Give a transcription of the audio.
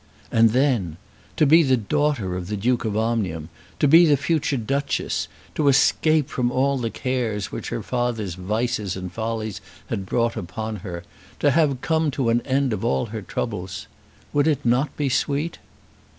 And then, to be the daughter of the Duke of Omnium, to be the future Duchess, to escape from all the cares which her father's vices and follies had brought upon her, to have come to an end of all her troubles! Would it not be sweet?